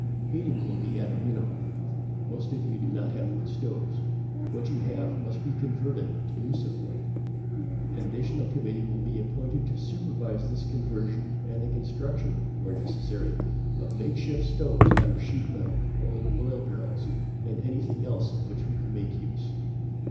"Heating will be at a minimum. Most of you do not have wood stoves. What you have must be converted to use of wood. An additional committee will be appointed to supervise this conversion and the construction, where necessary, of makeshift stoves out of sheet metal, old oil barrels, and anything else of which we can make use."